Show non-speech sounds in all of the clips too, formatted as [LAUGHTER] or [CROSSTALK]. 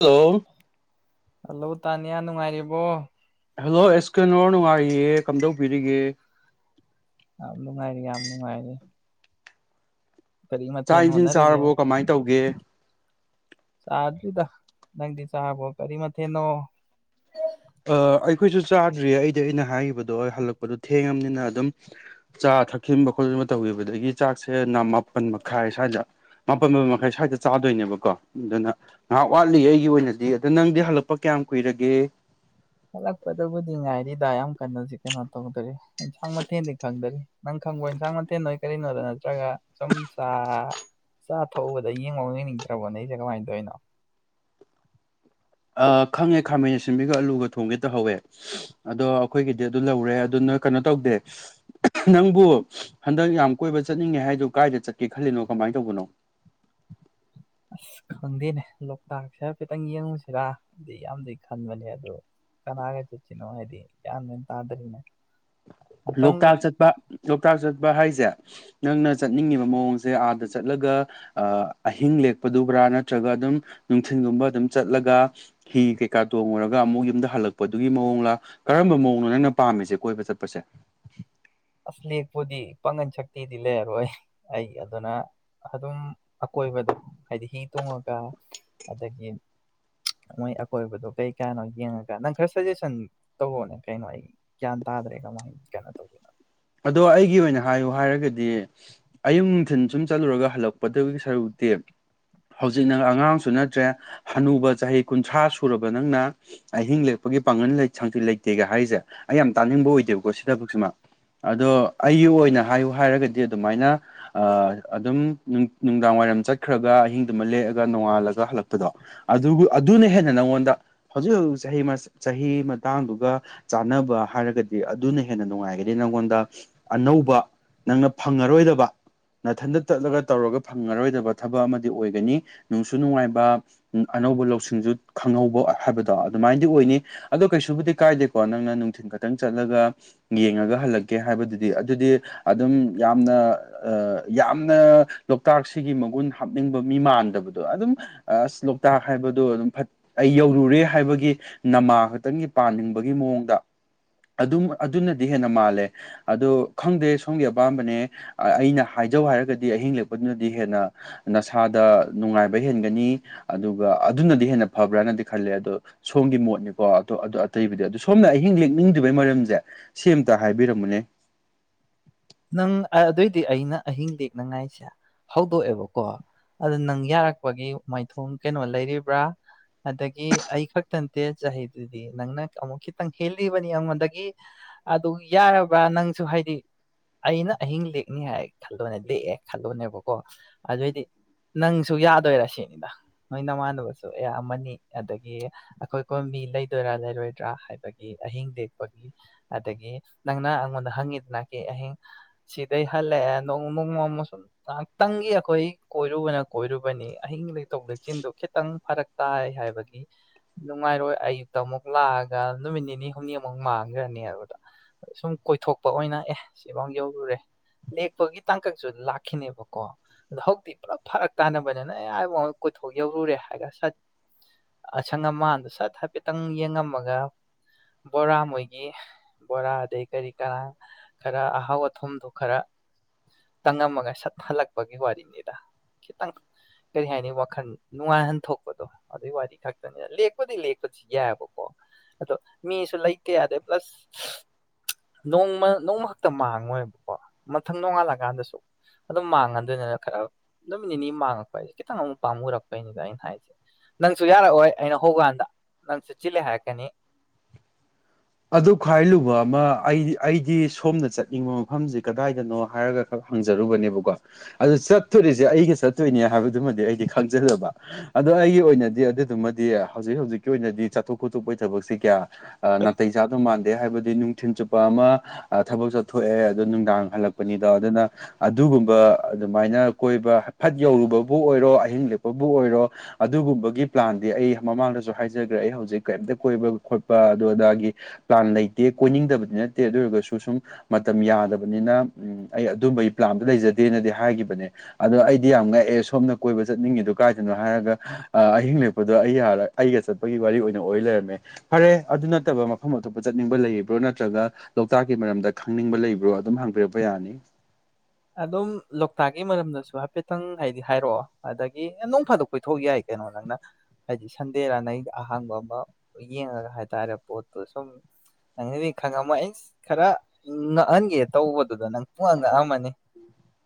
hello hello Taniya ꯅꯨꯡꯉꯥꯏꯔꯤꯕꯣ hello ꯑꯦꯁꯀꯅꯣ ꯅꯨꯡꯉꯥꯏꯌꯦ ꯀꯝꯗꯧꯕꯤꯔꯤꯒꯦ ꯌꯥꯝ ꯅꯨꯡꯉꯥꯏꯔꯤ ꯌꯥꯝ ꯅꯨꯡꯉꯥꯏꯔꯤ ꯀꯔꯤ ꯆꯥꯛ ꯃꯊꯦꯜ ꯏꯟꯁꯤꯡ ꯍꯣꯠꯅꯔꯒꯦ ꯆꯥꯔꯕꯣ ꯀꯃꯥꯏꯅ ꯇꯧꯒꯦ ꯆꯥꯗ꯭ꯔꯤꯗ ꯅꯪꯗꯤ ꯆꯥꯕꯣ ꯀꯔꯤ ꯃꯊꯦꯜꯅꯣ ꯑꯩꯈꯣꯏꯁꯨ ꯆꯥꯗ꯭ꯔꯤ ꯑꯩꯗꯤ ꯑꯩꯅ ꯍꯥꯏꯈꯤꯕꯗꯣ ꯍꯜꯂꯛꯄꯗꯣ ꯊꯦꯡꯉꯕꯅꯤꯅ ꯑꯗꯨꯝ ꯆꯥ ꯊꯛꯆꯟꯕ ꯈꯣꯠꯆꯤꯟꯕ ꯇꯧꯈꯤꯕꯗꯒꯤ ꯆꯥꯛꯁꯦ ꯃꯥꯄꯟ ꯃꯈꯥꯏ ꯁ꯭ꯋꯥꯏꯗ ꯃꯥꯄꯜ ꯃꯥꯄꯟ ꯃꯈꯥꯏ ꯁ꯭ꯋꯥꯏꯗ ꯆꯥꯗꯣꯏꯅꯦꯕꯀꯣ ꯑꯗꯨꯅ ꯉꯥꯏꯍꯥꯛ ꯋꯥꯠꯂꯤ ꯑꯩꯒꯤ ꯑꯣꯏꯅꯗꯤ ꯑꯗ ꯅꯪꯗꯤ ꯍꯜꯂꯛꯄ ꯀꯌꯥꯝ ꯀꯨꯏꯔꯒꯦ ꯍꯂꯛꯄꯗꯕꯨꯗꯤ ꯉꯥꯏꯔꯤꯗꯥ ꯌꯥꯝ ꯀꯩꯅꯣꯖꯤ ꯀꯩꯅꯣ ꯇꯧ ꯀꯔꯤ ꯑꯦꯟꯁꯥꯡ ꯃꯊꯦꯜꯗꯤ ꯈꯪꯗꯔꯤ ꯅꯪ ꯈꯪꯕ ꯑꯦꯟꯁꯥꯡ ꯃꯊꯦꯜ ꯅꯣꯏ ꯀꯔꯤꯅꯣꯗ ꯅꯠꯇ꯭ꯔꯒ ꯁꯨꯝ ꯆ ꯆꯥ ꯊꯎꯕꯗ ꯌꯦꯡꯉꯧ ꯌꯦꯡꯅꯤꯡꯗ꯭ꯔꯕꯣ ꯅ ꯑꯩꯁꯦ ꯀꯃꯥꯏꯅ ꯇꯧꯔꯤꯅꯣ ꯈꯪꯉꯦ ꯈꯥꯃꯦꯟ ꯁꯤꯟꯕꯤꯒ ꯑꯂꯨꯒ ꯊꯣꯡꯒꯦ ꯇꯧꯍꯧꯋꯦ ꯑꯗꯣ ꯑꯩꯈꯣꯏꯒꯤꯗꯤ ꯑꯗꯨ ꯂꯧꯔꯦ ꯑꯗꯨ ꯅ ꯀꯩꯅꯣ ꯇꯧꯗꯦ ꯅꯪꯕꯨ ꯍꯟꯗꯛ ꯌꯥꯝ ꯀꯣꯏꯕ ꯆꯠꯅꯤꯡꯉꯦ ꯍꯥꯏꯗꯨ ꯀꯥꯏꯗ ꯆꯠꯀꯦ ꯈꯜꯂꯤꯅꯣ ꯀꯃꯥꯏꯅ ꯇꯧꯕꯅꯣ ꯑꯁ ꯈꯪꯗꯦꯅꯦ ꯂꯣꯛꯇꯥꯛꯁꯤ ꯍꯥꯢꯐꯦꯠꯇꯪ ꯌꯦꯡꯉꯨꯁꯤꯔꯥꯗꯤ ꯌꯥꯝꯗꯤ ꯈꯟꯕꯅꯦ ꯑꯗꯨꯗ ꯀꯅꯥꯒ ꯆꯠꯁꯤꯅꯣ ꯍꯥꯏꯗꯤ ꯌꯥꯝ ꯃꯦꯟ ꯇꯥꯗꯔꯤꯅꯦ ꯂꯣꯛꯇꯥꯛ ꯆꯠꯄ ꯂꯣꯛꯇꯥꯛ ꯆꯠꯄ ꯍꯥꯏꯁꯦ ꯅꯪꯅ ꯆꯠꯅꯤꯡꯉꯤꯕ ꯃꯑꯣꯡꯁꯦ ꯑꯥꯗ ꯆꯠꯂꯒ ꯑꯍꯤꯡ ꯂꯦꯛꯄꯗꯨꯕ꯭ꯔꯥ ꯅꯠꯇ꯭ꯔꯒ ꯑꯗꯨꯝ ꯅꯨꯡꯊꯤꯤꯟꯒꯨꯝꯕ ꯑꯗꯨꯝ ꯆꯠꯂꯒ ꯍꯤ ꯀꯩꯀꯥ ꯇꯣꯡꯉꯨꯔꯒ ꯑꯃꯨꯛ ꯌꯨꯝꯗ ꯍꯜꯂꯛꯄꯗꯨꯒꯤ ꯃꯑꯣꯡꯂꯥ ꯀꯔꯝꯕ ꯃꯑꯣꯡꯅꯣ ꯅꯪꯅ ꯄꯥꯝꯃꯤꯁꯦ ꯀꯣꯏꯕ ꯆꯠꯄꯁꯦ [INAUDIBLE] ꯑꯁ ꯂꯦꯛꯄꯨꯗꯤ ꯄꯥꯒꯟ ꯁꯛꯇꯤꯗꯤ ꯂꯩꯔꯔꯣꯏ ꯑꯩ ꯑꯗꯨꯅ ꯑꯗꯨꯝ ꯑꯀꯣꯏꯕꯗꯣ ꯍꯥꯏꯗꯤ ꯍꯤ ꯇꯣꯡꯉꯒ ꯑꯗꯒꯤ ꯃꯣꯏ ꯑꯀꯣꯏꯕꯗꯣ ꯀꯩ ꯀꯥꯅꯣ ꯌꯦꯡꯉꯒ ꯅꯪ ꯈꯔ ꯁꯖꯦꯁꯟ ꯇꯧꯕꯔꯣꯅꯦ ꯀꯩꯅꯣ ꯑꯩ ꯒ꯭ꯌꯥꯟ ꯇꯥꯗ꯭ꯔꯦ ꯀꯃꯥꯏꯅ ꯀꯩꯅꯣ ꯇꯧꯗꯣꯏꯅꯣ ꯑꯗꯣ ꯑꯩꯒꯤ ꯑꯣꯏꯅ ꯍꯥꯏꯌꯨ ꯍꯥꯏꯔꯒꯗꯤ ꯑꯌꯨꯛ ꯅꯨꯡꯊꯤꯟ ꯁꯨꯝ ꯆꯠꯂꯨꯔꯒ ꯍꯜꯂꯛꯄꯗꯒꯤ ꯁꯔꯨꯛꯇꯤ ꯍꯧꯖꯤꯛ ꯅꯪ ꯑꯉꯥꯡꯁꯨ ꯅꯠꯇ꯭ꯔꯦ ꯍꯅꯨꯕ ꯆꯍꯤ ꯀꯨꯟꯊ꯭ꯔꯥ ꯁꯨꯔꯕ ꯅꯪꯅ ꯑꯍꯤꯡ ꯂꯦꯛꯄꯒꯤ ꯄꯥꯡꯒꯜ ꯁꯥꯡꯆꯤ ꯂꯩꯇꯦꯒ ꯍꯥꯏꯔꯤꯁꯦ ꯑꯩ ꯌꯥꯝ ꯇꯥꯅꯤꯡꯕ ꯑꯣꯏꯗꯦꯕꯀꯣ ꯁꯤ ꯊꯕꯛꯁꯤꯃ ꯑꯗꯣ ꯑꯩꯒꯤ ꯑꯣꯏꯅ ꯍꯥꯏꯌꯨ ꯍꯥꯏꯔꯒꯗꯤ ꯑꯗꯨꯃꯥꯏꯅ ꯑꯗꯨꯝ ꯅꯨꯡꯗꯥꯡ ꯋꯥꯏꯔꯝ ꯆꯠꯈ꯭ꯔꯒ ꯑꯍꯤꯡꯗꯨꯃ ꯂꯦꯛꯑꯒ ꯅꯣꯡꯉꯥꯜꯂꯒ ꯍꯜꯂꯛꯄꯗꯣ ꯑꯗꯨ ꯑꯗꯨꯅ ꯍꯦꯟꯅ ꯅꯪꯉꯣꯟꯗ ꯍꯧꯖꯤꯛ ꯍꯧꯖꯤꯛ ꯆꯍꯤ ꯆꯍꯤ ꯃꯇꯥꯡꯗꯨꯒ ꯆꯥꯟꯅꯕ ꯍꯥꯏꯔꯒꯗꯤ ꯑꯗꯨꯅ ꯍꯦꯟꯅ ꯅꯨꯡꯉꯥꯏꯒꯅꯤ ꯅꯪꯉꯣꯟꯗ ꯗ ꯑꯅꯧꯕ ꯅꯪꯅ ꯐꯪꯉꯔꯣꯏꯗꯕ ꯅꯥꯊꯟꯇ ꯆꯠꯂꯒ ꯇꯧꯔꯒ ꯐꯪꯉꯔꯣꯏꯗꯕ ꯊꯕꯛ ꯑꯃꯗꯤ ꯑꯣꯏꯒꯅꯤ ꯅꯨꯡꯁꯨ ꯅꯨꯡꯉꯥꯏꯕ ꯑꯅꯧꯕ ꯂꯧꯁꯤꯡꯁꯨ ꯈꯪꯍꯧꯕ ꯍꯥꯏꯕꯗꯣ ꯑꯗꯨꯃꯥꯏꯅꯗꯤ ꯑꯣꯏꯅꯤ ꯑꯗꯣ ꯀꯩꯁꯨꯕꯨꯗꯤ ꯀꯥꯏꯗꯦꯀꯣ ꯅꯪꯅ ꯅꯨꯡꯊꯤꯟꯜ ꯈꯛꯇꯪ ꯆꯠꯂꯒ ꯌꯦꯡꯉꯒ ꯍꯜꯂꯛꯒꯦ ꯀꯦ ꯍꯥꯏꯕꯗꯨꯗꯤ ꯑꯗꯨꯗꯤ ꯑꯗꯨꯝ ꯌꯥꯝꯅ ꯌꯥꯝꯅ ꯂꯣꯛꯇꯥꯛꯁꯤꯒꯤ ꯃꯒꯨꯟ ꯍꯥꯞꯅꯤꯡꯕ ꯃꯤ ꯃꯥꯟꯗꯕꯗꯣ ꯑꯗꯨꯝ ꯑꯁ ꯂꯣꯛꯇꯥꯛ ꯍꯥꯏꯕꯗꯣ ꯑꯗꯨꯝ ꯑꯩ ꯌꯧꯔꯨꯔꯦ ꯍꯥꯏꯕꯒꯤ ꯅꯃꯥ ꯈꯛꯇꯪꯒꯤ ꯄꯥꯅꯤꯡꯕꯒꯤ ꯃꯑꯣꯡꯗ ꯑꯗꯨꯝ ꯑꯗꯨꯅꯗꯤ ꯍꯦꯟꯅ ꯃꯥꯜꯂꯦ ꯑꯗꯣ ꯈꯪꯗꯦ ꯁꯣꯝꯒꯤ ꯑꯄꯥꯝꯕꯅꯦ ꯑꯩꯅ ꯍꯥꯏꯖꯧ ꯍꯥꯏꯔꯒꯗꯤ ꯑꯍꯤꯡ ꯂꯦꯛꯄꯗꯨꯅꯗꯤ ꯍꯦꯟꯅ ꯅꯁꯥꯗ ꯅꯨꯡꯉꯥꯏꯕ ꯍꯦꯟꯒꯅꯤ ꯑꯗꯨꯒ ꯑꯗꯨꯅꯗꯤ ꯍꯦꯟꯅ ꯐꯕ꯭ꯔꯅꯗꯤ ꯈꯜꯂꯦ ꯑꯗꯣ ꯁꯣꯝꯒꯤ ꯃꯣꯠꯅꯤꯀꯣ ꯑꯇꯩꯕꯨꯗꯤ ꯑꯣ ꯁꯣꯝꯅ ꯑꯍꯤꯡ ꯂꯦꯛꯅꯤꯡꯗ꯭ꯔꯤꯕꯩ ꯃꯔꯝꯁꯦ ꯁꯤꯇ ꯍꯥꯏꯕꯤꯔꯝꯃ ꯅꯦ ꯅꯪ ꯑꯗꯨꯏꯗꯤ ꯑꯩꯅ ꯑꯍꯤꯡ ꯂꯦꯛꯅꯉꯥꯏꯁꯦ ꯍꯧꯗꯣꯛꯑꯦꯕꯀꯣ ꯑꯗꯨ ꯅꯪ ꯌꯥꯔꯛꯄꯒꯤ ꯃꯥꯏꯊꯣꯡ ꯀꯩꯅꯣ ꯂꯩꯔꯤꯕ꯭ꯔꯥ ꯑꯗꯒꯤ ꯑꯩ ꯈꯛꯇ ꯅꯠꯇꯦ ꯆꯍꯤꯗꯨꯗꯤ ꯅꯪꯅ ꯑꯃꯨꯛ ꯈꯤꯇꯪ ꯍꯦꯜꯂꯤꯕꯅꯤ ꯑꯩꯉꯣꯟꯗꯒꯤ ꯑꯗꯨ ꯌꯥꯔꯕ꯭ꯔꯥ ꯅꯪꯁꯨ ꯍꯥꯏꯗꯤ ꯑꯩꯅ ꯑꯍꯤꯡ ꯂꯦꯛꯅꯤ ꯍꯥꯏ ꯈꯜꯂꯣꯅꯦ ꯂꯦꯛꯑꯦ ꯈꯜꯂꯣꯅꯦꯕꯀꯣ ꯑꯗꯨꯑꯣꯏꯗꯤ ꯅꯪꯁꯨ ꯌꯥꯗꯣꯏꯔꯥ ꯁꯤꯅꯤꯅ ꯅꯣꯏ ꯅꯃꯥꯟꯅꯕꯁꯨ ꯑꯌꯥꯝ ꯑꯃꯅꯤ ꯑꯗꯒꯤ ꯑꯩꯈꯣꯏ ꯀꯣꯝꯕꯤ ꯂꯩꯗꯣꯏꯔꯥ ꯂꯩꯔꯣꯏꯗ꯭ꯔꯥ ꯍꯥꯏꯕꯒꯤ ꯑꯍꯤꯡ ꯂꯦꯛꯄꯒꯤ ꯑꯗꯒꯤ ꯅꯪꯅ ꯑꯩꯉꯣꯟꯗ ꯍꯪꯉꯤꯗꯅ ꯀ ꯑꯍꯤꯡ ꯁꯤꯗꯩ ꯍꯜꯂꯛꯑꯦ ꯅꯣꯡꯃ ꯅ ꯅꯣꯡꯃ ꯁꯨꯝ ꯉꯥꯏꯍꯥꯛꯇꯪꯒꯤ ꯑꯩꯈꯣꯏ ꯀꯣꯏꯔꯨꯕꯅ ꯀꯣꯏꯔꯨꯕꯅꯤ ꯑꯍꯤꯡ ꯂꯩ ꯇꯧꯕꯗ ꯆꯤꯟꯗꯣ ꯈꯤꯇꯪ ꯐꯔꯛ ꯇꯥꯏ ꯍꯥꯏꯕꯒꯤ ꯅꯨꯡꯉꯥꯏꯔꯣꯏ ꯑꯌꯨꯛꯇ ꯑꯃꯨꯛ ꯂꯥꯛꯑꯒ ꯅꯨꯃꯤꯠ ꯅꯤꯅꯤ ꯍꯨꯝꯅꯤꯃꯨꯛ ꯃꯥꯡꯈ꯭ꯔꯅꯤ ꯍꯥꯏꯕꯗ ꯁꯨꯝ ꯀꯣꯏꯊꯣꯛꯄ ꯑꯣꯏꯅ ꯑꯦ ꯁꯤꯐꯥꯎ ꯌꯧꯔꯨꯔꯦ ꯂꯦꯛꯄꯒꯤ ꯇꯥꯡꯀꯛꯁꯨ ꯂꯥꯛꯈꯤꯅꯦꯕꯀꯣ ꯑꯗꯣ ꯍꯧꯖꯤꯛꯇꯤ ꯄꯨꯂꯞ ꯐꯔꯛ ꯇꯥꯟꯅꯕꯅꯤꯅ ꯑꯦꯕ ꯀꯣꯏꯊꯣꯛ ꯌꯧꯔꯨꯔꯦ ꯍꯥꯏꯔꯒ ꯁꯠ ꯑꯁꯪ ꯑꯃꯥꯟꯗ ꯁꯠ ꯍꯥꯏꯐꯦꯠꯇꯪ ꯌꯦꯡꯉꯝꯃꯒ ꯕꯣꯔꯥ ꯃꯣꯏꯒꯤ ꯕꯣꯔꯥ ꯑꯗꯩ ꯀꯔꯤ ꯀꯔꯥ ꯈꯔ ꯑꯍꯥꯎ ꯑꯊꯨꯝꯗ ꯈꯔ ꯇꯪꯉꯝꯃꯒ ꯁꯠꯍꯜꯂꯛꯄꯒꯤ ꯋꯥꯔꯤꯅꯤꯗ ꯈꯤꯇꯪ ꯀꯔꯤ ꯍꯥꯏꯅꯤ ꯋꯥꯈꯜ ꯅꯨꯡꯉꯥꯏꯍꯟ ꯊꯣꯛꯄꯗꯣ ꯑꯗꯨꯒꯤ ꯋꯥꯔꯤ ꯈꯛꯇꯅꯤꯅ ꯂꯦꯛꯄꯗꯤ ꯂꯦꯛꯄꯁꯨ ꯌꯥꯏꯑꯕꯀꯣ ꯑꯗꯣ ꯃꯤꯁꯨ ꯂꯩꯇ ꯌꯥꯗꯩ ꯄ꯭ꯂꯁ ꯅꯣꯡꯃ ꯅꯣꯡꯃ ꯈꯛꯇ ꯃꯥꯡꯉꯣꯏꯕꯀꯣ ꯃꯊꯪ ꯅꯣꯡꯉꯥꯜꯂꯀꯥꯟꯗꯁꯨ ꯑꯗꯨꯝ ꯃꯥꯡꯉꯟꯗꯣꯏꯅꯤꯅ ꯈꯔ ꯅꯨꯃꯤꯠ ꯅꯤꯅꯤ ꯃꯥꯡꯉꯛꯄ ꯍꯥꯏꯁꯦ ꯈꯤꯇꯪ ꯑꯃꯨꯛ ꯄꯥꯝꯃꯨꯔꯛꯄꯩꯅꯤꯗ ꯑꯩꯅ ꯍꯥꯏꯁꯦ ꯅꯪꯁꯨ ꯌꯥꯔꯛꯑꯣꯏ ꯑꯩꯅ ꯍꯧꯀꯥꯟꯗ ꯅꯪꯁꯨ ꯆꯤꯜꯂꯦ ꯍꯥꯏꯔꯛꯀꯅꯤ ꯑꯗꯨ ꯈ꯭ꯋꯥꯏꯔꯨꯕ ꯑꯃ ꯑꯩ ꯑꯩꯗꯤ ꯁꯣꯝꯅ ꯆꯠꯅꯤꯡꯕ ꯃꯐꯝꯁꯤ ꯀꯗꯥꯏꯗꯅꯣ ꯍꯥꯏꯔꯒ ꯈ ꯍꯪꯖꯔꯨꯕꯅꯦꯕꯀꯣ ꯑꯗꯨ ꯆꯠꯇꯣꯔꯤꯁꯦ ꯑꯩꯒ ꯆꯠꯇꯣꯏꯅꯦ ꯍꯥꯏꯕꯗꯨꯃꯗꯤ ꯑꯩꯗꯤ ꯈꯪꯖꯜꯂꯕ ꯑꯗꯣ ꯑꯩꯒꯤ ꯑꯣꯏꯅꯗꯤ ꯑꯗꯨꯗꯨꯃꯗꯤ ꯍꯧꯖꯤꯛ ꯍꯧꯖꯤꯛꯀꯤ ꯑꯣꯏꯅꯗꯤ ꯆꯠꯊꯣꯛ ꯈꯣꯠꯇꯣꯛꯄꯒꯤ ꯊꯕꯛꯁꯦ ꯀꯌꯥ ꯑ ꯅ ꯏꯆꯥꯗꯣ ꯃꯥꯟꯗꯦ ꯍꯥꯏꯕꯗꯤ ꯅꯨꯡꯊꯤꯟ ꯆꯨꯞꯄ ꯑꯃ ꯊꯕꯛ ꯆꯠꯊꯣꯛꯑꯦ ꯑꯣ ꯅꯨꯡꯗꯥꯡ ꯍꯜꯂꯛꯄꯅꯤꯗꯣ ꯑꯗꯨꯅ ꯑꯗꯨꯒꯨꯝꯕ ꯑꯗꯨꯃꯥꯏꯅ ꯀꯣꯏꯕ ꯐꯠ ꯌꯧꯔꯨꯕꯕꯨ ꯑꯣꯏꯔꯣ ꯑꯍꯤꯡ ꯂꯦꯛꯄꯕꯨ ꯑꯣꯏꯔꯣ ꯑꯗꯨꯒꯨꯝꯕꯒꯤ ꯄ꯭ꯂꯥꯟꯗꯤ ꯑꯩ ꯃꯃꯥꯡꯗꯁꯨ ꯍꯥꯏꯖꯈ꯭ꯔꯦ ꯑꯩ ꯍꯧꯖꯤꯛ ꯀꯔꯤꯝꯇ ꯀꯣꯏꯕ ꯈꯣꯠꯄ ꯑꯗꯨ ꯑꯗꯥꯒꯤ ꯄ꯭ꯂꯥꯟ ꯂꯩꯇꯦ ꯀꯣꯏꯅꯤꯡꯗꯕꯗꯤ ꯅꯠꯇꯦ ꯑꯗꯨ ꯑꯣꯏꯔꯒꯁꯨ ꯁꯨꯝ ꯃꯇꯝ ꯌꯥꯗꯕꯅꯤꯅ ꯎꯝ ꯑꯩ ꯑꯗꯨꯝꯕꯒꯤ ꯄ꯭ꯂꯥꯟꯗꯣ ꯂꯩꯖꯗꯦꯅꯗꯤ ꯍꯥꯏꯒꯤꯈꯤꯕꯅꯦ ꯑꯗꯣ ꯑꯩꯗꯤ ꯌꯥꯝ ꯉꯛꯑꯦ ꯁꯣꯝꯅ ꯀꯣꯏꯕ ꯆꯠꯅꯤꯡꯉꯤꯗ ꯀꯥꯏꯗꯅꯣ ꯍꯥꯏꯔꯒ ꯑꯍꯤꯡ ꯂꯦꯛꯄꯗꯣ ꯑꯩ ꯑꯩꯒ ꯆꯠꯄꯒꯤ ꯋꯥꯔꯤ ꯑꯣꯏꯅ ꯑꯣꯏ ꯂꯩꯔꯝꯃꯦ ꯐꯔꯦ ꯑꯗꯨ ꯅꯠꯇꯕ ꯃꯐꯝ ꯑꯇꯣꯞꯄ ꯆꯠꯅꯤꯡꯕ ꯂꯩꯕ꯭ꯔꯣ ꯅꯠꯇ꯭ꯔꯒ ꯂꯣꯛꯇꯥꯛꯀꯤ ꯃꯔꯝꯗ ꯈꯪꯅꯤꯡꯕ ꯂꯩꯕ꯭ꯔꯣ ꯑꯗꯨꯝ ꯍꯥꯡꯕꯤꯔꯛꯄ ꯌꯥꯅꯤ ꯑꯗꯨꯝ ꯂꯣꯛꯇꯥꯛꯀꯤ ꯃꯔꯝꯗꯁꯨ ꯍꯥꯏꯐꯦꯠꯇꯪ ꯍꯥꯏꯗꯤ ꯍꯥꯏꯔꯛꯑꯣ ꯑꯗꯒꯤ ꯅꯣꯡ ꯐꯥꯗꯣꯛ ꯀꯣꯏꯊꯣꯛꯎ ꯌꯥꯏ ꯀꯩꯅꯣ ꯅꯪꯅ ꯍꯥꯏꯗꯤ ꯁꯟꯗꯦꯔ ꯅꯪ ꯑꯍꯥꯡꯕ ꯑꯃ ꯌꯦꯡꯉꯒ ꯍꯥꯏꯇꯥꯔꯦ ꯄꯣꯠꯇꯨ ꯁꯨꯝ ꯅꯪꯗꯤ ꯈꯪꯉꯝꯃꯣ ꯑꯩ ꯈꯔ ꯉꯛꯍꯟꯒꯦ ꯇꯧꯕꯗꯨꯗ ꯅꯪ ꯄꯨꯡꯉ ꯉꯛꯑꯝꯃꯅꯤ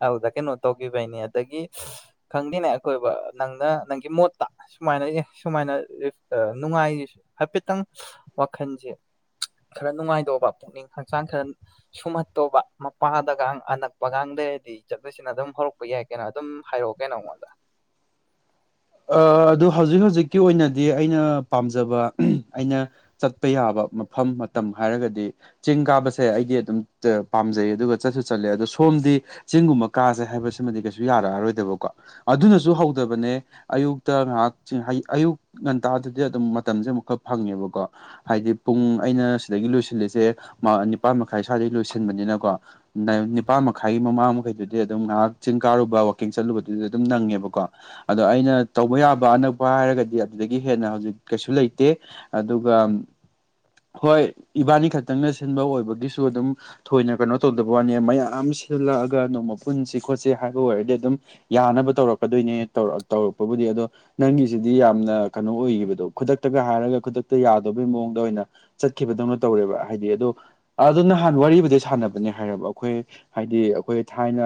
ꯑꯗꯨꯗ ꯀꯩꯅꯣ ꯇꯧꯈꯤꯕꯩꯅꯦ ꯑꯗꯒꯤ ꯈꯪꯗꯦꯅꯦ ꯑꯩꯈꯣꯏꯕ ꯅꯪꯅ ꯅꯪꯒꯤ ꯃꯣꯠꯇ ꯁꯨꯃꯥꯏꯅ ꯁꯨꯃꯥꯏꯅ ꯅꯨꯡꯉꯥꯏꯁꯤꯁꯨ ꯍꯥꯏꯐꯦꯠꯇꯪ ꯋꯥꯈꯜꯁꯦ ꯈꯔ ꯅꯨꯡꯉꯥꯏꯇꯧꯕ ꯄꯨꯛꯅꯤꯡ ꯍꯛꯆꯥꯡ ꯈꯔ ꯁꯨꯝꯍꯠꯇꯧꯕ ꯃꯄꯥꯗꯒ ꯑꯅꯛ ꯄꯕꯒꯥꯡꯗꯗꯤ ꯆꯠꯄꯁꯤꯅ ꯑꯗꯨꯝ ꯍꯧꯔꯛꯄ ꯌꯥꯏ ꯀꯩꯅꯣ ꯑꯗꯨꯝ ꯍꯥꯏꯔꯛꯑꯣ ꯀꯩꯅꯣ ꯑꯩꯉꯣꯟꯗ ꯑꯗꯨ ꯍꯧꯖꯤꯛ ꯍꯧꯖꯤꯛꯀꯤ ꯑꯣꯏꯅꯗꯤ ꯑꯩꯅ ꯄꯥꯝꯖꯕ ꯑꯩꯅ ꯆꯠꯄ ꯌꯥꯕ ꯃꯐꯝ ꯃꯇꯝ ꯍꯥꯏꯔꯒꯗꯤ ꯆꯤꯡ ꯀꯥꯕꯁꯦ ꯑꯩꯗꯤ ꯑꯗꯨꯝ ꯄꯥꯝꯖꯩ ꯑꯗꯨꯒ ꯆꯠꯁꯨ ꯆꯠꯂꯦ ꯑꯗꯣ ꯁꯣꯝꯗꯤ ꯆꯤꯡꯒꯨꯝꯕ ꯀꯥꯁꯦ ꯍꯥꯏꯕꯁꯤꯃꯗꯤ ꯀꯩꯁꯨ ꯌꯥꯔꯛꯑꯔꯣꯏꯗꯕꯀꯣ ꯑꯗꯨꯅꯁꯨ ꯍꯧꯗꯕꯅꯦ ꯑꯌꯨꯛꯇ ꯉꯥꯏꯍꯥꯛꯗꯤ ꯑꯌꯨꯛ ꯉꯟꯇꯥꯗꯨꯗꯤ ꯑꯗꯨꯝ ꯃꯇꯝꯁꯦ ꯑꯃꯨꯛꯀꯔ ꯐꯪꯉꯦꯕꯀꯣ ꯍꯥꯏꯗꯤ ꯄꯨꯡ ꯑꯩꯅ ꯁꯤꯗꯒꯤ ꯂꯣꯏꯁꯤꯜꯂꯤꯁꯦ ꯅꯤꯄꯥꯜ ꯃꯈꯥꯏ ꯁ꯭ꯋꯥꯏꯗꯒꯤ ꯂꯣꯏꯁꯤꯟꯕꯅꯤꯅꯀꯣ ꯅꯤꯄꯥꯥꯟ ꯃꯈꯥꯏꯒꯤ ꯃꯃꯥꯡ ꯃꯈꯩꯗꯨꯗꯤ ꯑꯗꯨꯝ ꯉꯥꯏꯍꯥꯛ ꯆꯤꯡ ꯀꯥꯔꯨꯕ ꯋꯥꯛꯀꯤꯡ ꯆꯠꯂꯨꯕꯗꯨꯗꯤ ꯑꯗꯨꯝ ꯅꯪꯉꯦꯕꯀꯣ ꯑꯗꯣ ꯑꯩꯅ ꯇꯧꯕ ꯌꯥꯕ ꯑꯅꯛꯄ ꯍꯥꯏꯔꯒꯗꯤ ꯑꯗꯨꯗꯒꯤ ꯍꯦꯟꯅ ꯍꯧꯖꯤꯛ ꯀꯩꯁꯨ ꯂꯩꯇꯦ ꯑꯗꯨꯒ ꯍꯣꯏ ꯏꯕꯥꯅꯤ ꯈꯛꯇꯪꯅ ꯁꯤꯟꯕ ꯑꯣꯏꯕꯒꯤꯁꯨ ꯑꯗꯨꯝ ꯊꯣꯏꯅ ꯀꯩꯅꯣ ꯇꯧꯗꯕ ꯋꯥꯅꯤ ꯃꯌꯥꯝ ꯁꯤꯜꯂꯛꯑꯒ ꯅꯣꯡꯃ ꯄꯨꯟꯁꯤ ꯈꯣꯠꯁꯤ ꯍꯥꯏꯕ ꯑꯣꯏꯔꯗꯤ ꯑꯗꯨꯝ ꯌꯥꯅꯕ ꯇꯧꯔꯛꯀꯗꯣꯏꯅꯦ ꯇꯧꯔꯛ ꯄꯕꯨꯗꯤ ꯑꯗꯣ ꯅꯪꯒꯤꯁꯤꯗꯤ ꯌꯥꯝꯅ ꯀꯩꯅꯣ ꯑꯣꯏꯈꯤꯕꯗꯣ ꯈꯨꯗꯛꯇꯒ ꯍꯥꯏꯔꯒ ꯈꯨꯗꯛꯇ ꯌꯥꯗꯕꯩ ꯃꯑꯣꯡꯗ ꯑꯣꯏꯅ ꯆꯠꯈꯤꯕꯗꯧꯅ ꯇꯧꯔꯦꯕ ꯍꯥꯏꯗꯤ ꯑꯗꯣ ꯑꯗꯨ ꯅꯍꯥꯟ ꯋꯥꯔꯤꯗꯩ ꯁꯥꯟꯅꯕꯅꯦ ꯍꯥꯏꯔꯕ ꯑꯩꯈꯣꯏ ꯍꯥꯏꯗꯤ ꯑꯩꯈꯣꯏ ꯊꯥꯏꯅ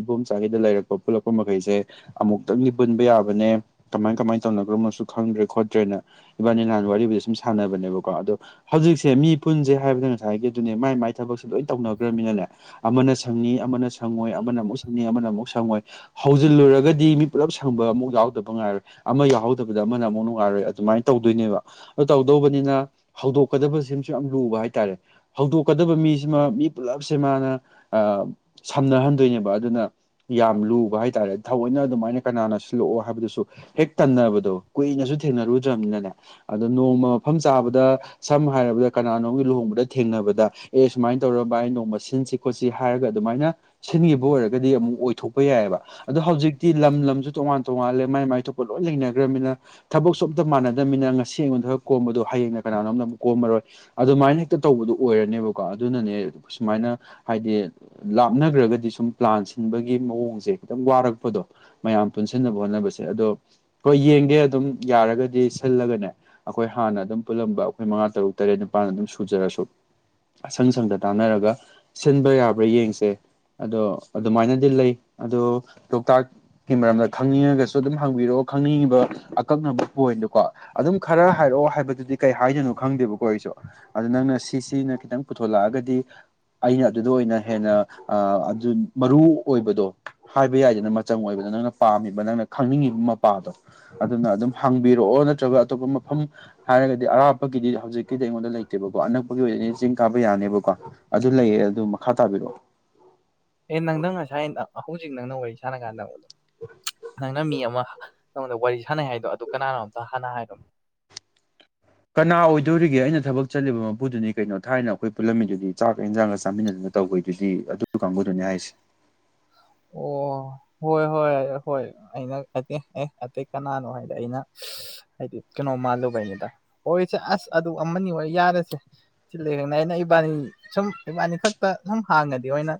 ꯏꯕꯣꯝꯆꯥꯒꯩꯗ ꯂꯩꯔꯛꯄ ꯄꯨꯜꯂꯛꯄ ꯃꯈꯩꯁꯦ ꯑꯃꯨꯛꯇꯪꯗꯤ ꯄꯨꯟꯕ ꯌꯥꯕ ꯀꯃꯥꯏ ꯀꯃꯥꯏꯅ ꯇꯧꯅꯈ꯭ꯔꯕꯅꯣꯁꯨ ꯈꯪꯗ꯭ꯔꯦ ꯈꯣꯠꯇ꯭ꯔꯦꯅ ꯏꯕꯥꯅꯤ ꯂꯍꯥꯟ ꯋꯥꯔꯤꯕꯨꯗꯤ ꯁꯨꯝ ꯁꯥꯟꯅꯕꯅꯦꯕꯀꯣ ꯑꯗꯣ ꯍꯧꯖꯤꯛꯁꯦ ꯃꯤ ꯄꯨꯟꯁꯦ ꯍꯥꯏꯕꯗ ꯉꯁꯥꯏꯒꯤ ꯑꯗꯨꯅꯦ ꯃꯥꯏ ꯃꯥꯏ ꯊꯕꯛꯁꯦ ꯂꯣꯏ ꯇꯧꯅꯈ꯭ꯔꯕꯃꯤꯅꯅꯦ ꯑꯃꯅ ꯁꯪꯉꯤ ꯑꯃꯅ ꯁꯪꯉꯣꯏ ꯑꯃꯅ ꯑꯃꯨꯛ ꯁꯪꯉꯤ ꯑꯃꯅ ꯑꯃꯨꯛ ꯁꯪꯉꯣꯏ ꯍꯧꯖꯤꯜꯂꯨꯔꯒꯗꯤ ꯃꯤ ꯄꯨꯜꯂꯞ ꯁꯪꯕ ꯑꯃꯨꯛ ꯌꯥꯎꯗꯕ ꯉꯉꯥꯏꯔꯣꯏ ꯑꯃ ꯌꯥꯎꯍꯧꯗꯕꯗ ꯑꯃꯅ ꯑꯃꯨꯛ ꯅꯨꯡꯉꯥꯏꯔꯣꯏ ꯑꯗꯨꯃꯥꯏꯅ ꯇꯧꯗꯣꯏꯅꯦꯕ ꯑꯗꯨ ꯇꯧꯗꯧꯕꯅꯤꯅ ꯍꯧꯗꯣꯛꯀꯗ ꯁꯤꯃꯁꯨ ꯌꯥꯝ ꯂꯨꯕ ꯍꯥꯏꯇꯥꯔꯦ ꯍꯧꯗꯣꯛꯀꯗꯕ ꯃꯤꯁꯤꯃ ꯃꯤ ꯄꯨꯜꯂꯞꯁꯦ ꯃꯥꯅ ꯁꯝꯅꯍꯟꯗꯣꯏꯅꯦꯕ ꯑꯗꯨꯅ ꯌꯥꯝ ꯂꯨꯕ ꯍꯥꯏꯇꯥꯥꯔꯦ ꯊꯑꯣꯏꯅ ꯑꯗꯨꯃꯥꯏꯅ ꯀꯅꯥꯅ ꯂꯣꯛꯑꯣ ꯍꯥꯏꯕꯗꯨꯁꯨ ꯍꯦꯛ ꯇꯟꯅꯕꯗꯣ ꯀꯨꯏꯅꯁꯨ ꯊꯦꯡꯅꯔꯨꯗ꯭ꯔꯕꯅꯤꯅꯅꯦ ꯑꯗꯣ ꯅꯣꯡꯃ ꯃꯐꯝ ꯆꯥꯕꯗ ꯁꯝꯅ ꯍꯥꯏꯔꯕꯗ ꯀꯅꯥꯅꯣꯝꯒꯤ ꯂꯨꯍꯣꯡꯕꯗ ꯊꯦꯡꯅꯕꯗ ꯑꯦ ꯁꯨꯃꯥꯏꯅ ꯇꯧꯔꯕ ꯑꯩ ꯅꯣꯡꯃ ꯁꯤꯟꯁꯤ ꯈꯣꯠꯁꯤ ꯍꯥꯏꯔꯒ ꯑꯗꯨꯃꯥꯏꯅ ꯁꯤꯟꯈꯤꯕ ꯑꯣꯏꯔꯒꯗꯤ ꯑꯃꯨꯛ ꯑꯣꯏꯊꯣꯛꯄ ꯌꯥꯏꯑꯦꯕ ꯑꯗꯣ ꯍꯧꯖꯤꯛꯇꯤ ꯂꯝ ꯂꯝꯁꯨ ꯇꯣꯉꯥꯟ ꯇꯣꯉꯜꯂꯦ ꯃꯥꯏ ꯃꯥꯏ ꯊꯣꯛꯄ ꯂꯣꯏ ꯂꯩꯅꯈ꯭ꯔꯅꯤꯅ ꯊꯕꯛꯁꯨ ꯑꯝꯇ ꯃꯥꯟꯅꯗꯕꯃꯤꯅ ꯉꯁꯤ ꯑꯩꯉꯣꯟꯗ ꯈꯔ ꯀꯣꯝꯕꯗꯣ ꯍꯌꯦꯡꯅ ꯀꯅꯥꯅꯣꯝꯗ ꯑꯃꯛ ꯀꯣꯝꯃꯔꯣꯏ ꯑꯗꯨꯃꯥꯏꯅ ꯍꯦꯛꯇ ꯇꯧꯕꯗꯨ ꯑꯣꯏꯔꯅꯦꯕꯀꯣ ꯑꯗꯨꯅꯅꯦ ꯁꯨꯃꯥꯏꯅ ꯍꯥꯏꯗꯤ ꯂꯥꯞꯅꯈ꯭ꯔꯒꯗꯤ ꯁꯨꯝ ꯄ꯭ꯂꯥꯟ ꯁꯤꯟꯕꯒꯤ ꯃꯑꯣꯡꯁꯦ ꯈꯤꯇꯪ ꯋꯥꯔꯛꯄꯗꯣ ꯃꯌꯥꯝ ꯄꯨꯟꯁꯤ ꯁꯤꯟꯅꯕ ꯍꯣꯠꯅꯕꯁꯦ ꯑꯗꯣ ꯍꯣꯏ ꯌꯦꯡꯒꯦ ꯑꯗꯨꯝ ꯌꯥꯔꯒꯗꯤ ꯁꯤꯜꯂꯒꯅꯦ ꯑꯩꯈꯣꯏ ꯍꯥꯟꯅ ꯑꯗꯨꯝ ꯄꯨꯜꯂꯝꯕ ꯑꯩꯈꯣꯏ ꯃꯉꯥ ꯇꯔꯨꯛ ꯇꯔꯦꯠ ꯅꯤꯄꯥꯜꯅ ꯑꯗꯨꯝ ꯁꯨꯖꯔꯁꯨ ꯑꯁꯪ ꯁꯪꯗ ꯇꯥꯟꯅꯔꯒ ꯁꯤꯟꯕ ꯌꯥꯕ꯭ꯔꯥ ꯌꯦꯡꯁꯦ ꯑꯗꯣ ꯑꯗꯨꯃꯥꯏꯅꯗꯤ ꯂꯩ ꯑꯗꯣ ꯂꯣꯛꯇꯥꯛꯀꯤ ꯃꯔꯝꯗ ꯈꯪꯅꯤꯡꯉꯒꯁꯨ ꯑꯗꯨꯝ ꯍꯪꯕꯤꯔꯛꯑꯣ ꯈꯪꯅꯤꯡꯉꯤꯕ ꯑꯀꯛꯅꯕ ꯄꯣꯏꯟꯗꯣꯀꯣ ꯑꯗꯨꯝ ꯈꯔ ꯍꯥꯏꯔꯛꯑꯣ ꯍꯥꯏꯕꯗꯨꯗꯤ ꯀꯩ ꯍꯥꯏꯗꯣꯏꯅꯣ ꯈꯪꯗꯦꯕꯀꯣ ꯑꯩꯁꯨ ꯑꯗꯨꯗ ꯅꯪꯅ ꯁꯤꯁꯤꯅ ꯈꯤꯇꯪ ꯄꯨꯊꯣꯂꯛꯑꯒꯗꯤ ꯑꯩꯅ ꯑꯗꯨꯗ ꯑꯣꯏꯅ ꯍꯦꯟꯅ ꯑꯗꯨ ꯃꯔꯨ ꯑꯣꯏꯕꯗꯣ ꯍꯥꯏꯕ ꯌꯥꯏꯗꯅ ꯃꯆꯪ ꯑꯣꯏꯕꯗꯣ ꯅꯪꯅ ꯄꯥꯝꯃꯤꯕ ꯅꯪꯅ ꯈꯪꯅꯤꯡꯉꯤꯕ ꯃꯄꯥꯗꯣ ꯑꯗꯨꯅ ꯑꯗꯨꯝ ꯍꯥꯡꯕꯤꯔꯛꯑꯣ ꯅꯠꯇ꯭ꯔꯒ ꯑꯇꯣꯞꯄ ꯃꯐꯝ ꯍꯥꯏꯔꯒꯗꯤ ꯑꯔꯥꯞꯄꯒꯤꯗꯤ ꯍꯧꯖꯤꯛꯀꯤꯗꯤ ꯑꯩꯉꯣꯟꯗ ꯂꯩꯇꯦꯕꯀꯣ ꯑꯅꯛꯄꯒꯤ ꯑꯣꯏꯅꯗꯤ ꯆꯤꯡ ꯀꯥꯕ ꯌꯥꯅꯦꯕꯀꯣ ꯑꯗꯨ ꯂꯩꯌꯦ ꯑꯗꯨ ꯃꯈꯥ ꯇꯥꯕꯤꯔꯛꯑꯣ ꯑꯦ ꯅꯪꯗꯪ ꯉꯁꯥꯏ ꯍꯧꯖꯤꯛ ꯅꯪꯅ ꯋꯥꯔꯤ ꯁꯥꯟꯅ ꯀꯥꯟꯗ ꯅꯣꯟꯗꯣ ꯅꯪꯅ ꯃꯤ ꯑꯃ ꯅꯪꯉꯣꯟꯗ ꯋꯥꯔꯤ ꯁꯥꯟꯅꯩ ꯍꯥꯏꯗꯣ ꯑꯗꯨ ꯀꯅꯥꯅꯣ ꯑꯝꯇ ꯍꯥꯟꯅ ꯍꯥꯏꯔꯣꯅꯦ ꯀꯅꯥ ꯑꯣꯏꯗꯣꯔꯤꯒꯦ ꯑꯩꯅ ꯊꯕꯛ ꯆꯠꯂꯤꯕ ꯃꯄꯨꯗꯨꯅꯤ ꯀꯩꯅꯣ ꯊꯥꯏꯅ ꯑꯩꯈꯣꯏ ꯄꯨꯜꯂꯝꯃꯤꯗꯨꯗꯤ ꯆꯥꯛꯀ ꯏꯟꯖꯥꯡꯒ ꯆꯥꯃꯤꯟꯅꯗꯨꯅ ꯇꯧꯕꯩꯗꯨꯗꯤ ꯑꯗꯨ ꯀꯥꯡꯕꯨꯗꯨꯅꯤ ꯍꯥꯏꯁꯦ ꯑꯣ ꯍꯣꯏ ꯍꯣꯏ ꯍꯣꯏ ꯑꯩꯅ ꯑ ꯑꯦ ꯑꯇꯩ ꯀꯅꯥꯅꯣ ꯍꯥꯏꯗꯤ ꯑꯩꯅ ꯍꯥꯏꯗꯤ ꯀꯩꯅꯣ ꯃꯥꯜꯂꯨꯕꯩꯅꯤꯗ ꯍꯣꯏ ꯏꯆꯦ ꯑꯁ ꯑꯗꯨ ꯑꯃꯅꯤ ꯑꯣꯏ ꯌꯥꯔꯁꯦ ꯁꯤꯂꯦ ꯈꯅ ꯑꯩꯅ ꯏꯕꯥꯅꯤ ꯁꯨꯝ ꯏꯕꯥꯅꯤ ꯈꯛꯇ ꯁꯨꯝ ꯍꯥꯡꯉꯗꯤ ꯑꯣꯏꯅ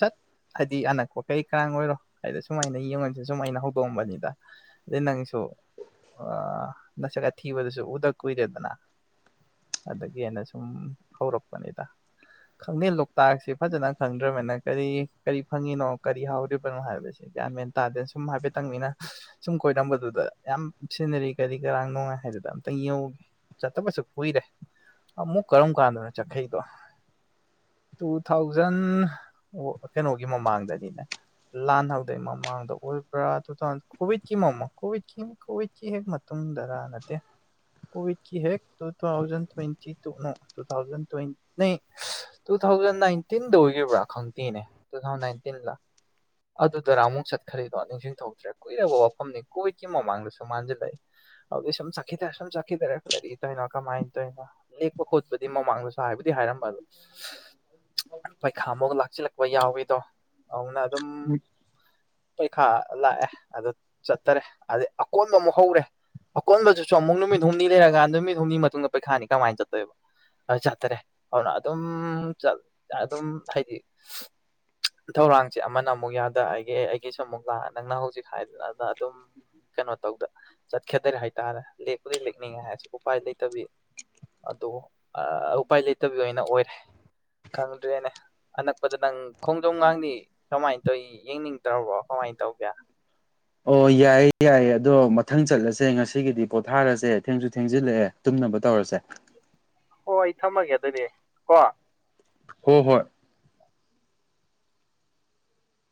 ꯁꯠ ꯍꯥꯏꯗꯤ ꯑꯅꯛ ꯀꯩ ꯀꯥꯡ ꯑꯣꯏꯔꯣ ꯍꯥꯏꯗ ꯁꯨꯃꯥꯏꯅ ꯌꯦꯡꯉꯣꯟꯁꯤꯦ ꯁꯨꯝꯃ ꯑꯩꯅ ꯍꯧꯗꯣꯛꯑꯝꯕꯅꯤꯗ ꯑꯗꯩ ꯅꯪꯁꯨ ꯅꯁꯛꯒ ꯊꯤꯕꯗꯁꯨ ꯎꯗ ꯀꯨꯏꯔꯦꯗꯅ ꯑꯗꯒꯤ ꯑꯅ ꯁꯨꯝ ꯍꯧꯔꯛꯄꯅꯤꯗ ꯈꯪꯗꯦ ꯂꯣꯛꯇꯥꯛꯁꯦ ꯐꯖꯅ ꯈꯪꯗ꯭ꯔꯕꯅ ꯀꯔꯤ ꯀꯔꯤ ꯐꯪꯉꯤꯅꯣ ꯀꯔꯤ ꯍꯧꯥꯎꯔꯤꯕꯅꯣ ꯍꯥꯏꯕꯕꯁꯤꯦ ꯀꯒ꯭ ꯃ꯭ꯦꯟꯟ ꯇꯥꯗꯦ ꯁꯨꯝ ꯍꯥꯏꯐꯦꯠꯇꯪ ꯃꯤꯅ ꯁꯨꯝ ꯀꯣꯏꯔꯝꯕꯗꯨꯗ ꯌꯥꯝ ꯁꯤꯅꯔꯤ ꯀꯔꯤ ꯀꯔꯥꯡ ꯅꯨꯡꯉꯥꯏ ꯍꯥꯏꯗꯨꯗ ꯑꯝꯇꯪ ꯌꯧꯒꯦ ꯆꯠꯇꯕꯁꯨ ꯀꯨꯏꯔꯦ ꯑꯃꯨꯛ ꯀꯔꯝ ꯀꯥꯟꯗꯅꯣ ꯆꯈꯩꯗꯣ ꯇꯨ ꯊꯥꯎꯖꯟ ꯀꯩꯅꯣꯒꯤ ꯃꯃꯥꯡꯗ ꯂꯥꯟꯍꯥꯎꯗꯩ ꯃꯃꯥꯡꯗ ꯑꯣꯏꯕ꯭ꯔꯥ ꯇꯨꯥꯎꯟ ꯀꯣꯚꯤꯗꯀꯤ ꯃꯃꯣꯚꯀꯤ ꯀꯣꯚꯤꯀꯤ ꯍꯦꯛ ꯃꯇꯨꯡꯗꯔ ꯅꯠꯇꯦ ꯀꯣꯚꯤꯗꯀꯤ ꯍꯦꯛ ꯇꯨ ꯊꯥꯎꯖꯟ ꯇ꯭ꯋꯦꯟꯇꯤ ꯇꯨꯅ ꯇꯨ ꯊꯥꯎꯖꯟ ꯇ꯭ꯋꯇ ꯇꯨ ꯊꯥꯎꯖꯟ ꯅꯥꯏꯟꯇꯤꯟꯗ ꯑꯣꯏꯈꯤꯕ꯭ꯔꯥ ꯈꯪꯗꯦꯅꯦ ꯇꯨ ꯊꯥꯎꯟ ꯇꯤꯜꯂ ꯑꯗꯨꯗꯨꯔꯥ ꯑꯃꯨꯛ ꯆꯠꯈ꯭ꯔꯤꯗꯣ ꯅꯤꯡꯁꯤꯡꯊꯣꯛꯇ꯭ꯔꯦ ꯀꯨꯏꯔꯕ ꯋꯥꯐꯝꯅꯤ ꯀꯣꯏꯈꯤꯕ ꯃꯃꯥꯡꯗꯁꯨ ꯃꯥꯟꯁꯤꯜꯂꯛꯏ ꯑꯗꯨꯕꯗꯤ ꯁꯨꯝ ꯆꯠꯈꯤꯗꯔꯦ ꯁꯨꯝ ꯆꯠꯈꯤꯗꯔꯦ ꯀꯔꯤ ꯇꯧꯅꯣ ꯀꯃꯥꯏꯅ ꯇꯧꯔꯤꯅꯣ ꯂꯦꯛꯄ ꯈꯣꯠꯄꯗꯤ ꯃꯃꯥꯡꯗꯁꯨ ꯍꯥꯏꯕꯗꯤ ꯍꯥꯏꯔꯝꯕꯗꯣ ꯄꯩꯈꯥ ꯑꯃꯒ ꯂꯥꯛꯆꯜꯂꯛꯄ ꯌꯥꯎꯋꯗꯣ ꯑꯅꯥ ꯑꯗꯨꯝ ꯄꯩꯈꯥ ꯂꯥꯛꯑꯦ ꯑꯗꯨ ꯆꯠꯇꯔꯦ ꯑꯗꯩ ꯑꯀꯣꯟꯕ ꯑꯃꯨꯛ ꯍꯧꯔꯦ ꯑꯀꯣꯟꯕꯗꯨꯁꯨ ꯑꯃꯨꯛ ꯅꯨꯃꯤꯠ ꯍꯨꯝꯅꯤ ꯂꯩꯔꯀꯥꯟ ꯅꯨꯃꯤꯠ ꯍꯨꯝꯅꯤꯒꯤ ꯃꯇꯨꯡꯗ ꯄꯩꯈꯥꯅꯤ ꯀꯃꯥꯏꯅ ꯆꯠꯇꯣꯏꯕ ꯑꯗꯨ ꯆꯠꯇꯔꯦ ꯑꯗꯨꯅ ꯑꯗꯨꯝ ꯑꯗꯨꯝ ꯍꯥꯏꯗꯤ ꯊꯧꯔꯥꯡꯁꯦ ꯑꯃꯅ ꯑꯃꯨꯛ ꯌꯥꯗ ꯑꯩꯒꯦ ꯑꯩꯒꯤꯁꯨ ꯑꯃꯨꯛ ꯂꯥꯛꯑ ꯅꯪꯅ ꯍꯧꯖꯤꯛ ꯍꯥꯏꯗꯅꯅ ꯑꯗꯨꯝ ꯀꯩꯅꯣ ꯇꯧꯗ ꯆꯠꯀꯗꯔꯦ ꯍꯥꯏꯇꯥꯔꯦ ꯂꯦꯛꯄꯨꯗꯤ ꯂꯦꯛꯅꯤꯡꯉꯦ ꯍꯥꯏꯔꯁꯦ ꯎꯄꯥꯏ ꯂꯩꯇꯕꯤ ꯑꯗꯣ ꯎꯄꯥꯏ ꯂꯩꯇꯕꯤ ꯑꯣꯏꯅ ꯑꯣꯏꯔꯦ ꯈꯪꯗꯦꯅꯦ ꯑꯅꯛꯄꯠꯇ ꯅꯪ ꯈꯣꯡꯖꯣꯝ ꯉꯥꯡꯅꯤ ꯁꯃꯥꯏꯅ ꯑ ꯌꯦꯡꯅꯤꯡꯗ꯭ꯔꯕꯣ ꯀꯃꯥꯏꯅ ꯇꯧꯒꯦ ꯑꯣ ꯌꯥꯏꯌꯦ ꯌꯥꯏꯌꯦ ꯑꯗꯣ ꯃꯊꯪ ꯆꯠꯂꯁꯦ ꯉꯁꯤꯒꯤꯗꯤ ꯄꯣꯊꯥꯔꯁꯦ ꯊꯦꯡꯁꯨ ꯊꯦꯡꯖꯤꯜꯂꯛꯑꯦ ꯇꯨꯝꯅꯕ ꯇꯧꯔꯁꯦ ꯍ ꯑꯩ ꯊꯝꯃꯒꯦ ꯑꯗꯨꯅꯦ ꯀꯣ ꯍꯣꯏ ꯍꯣꯏ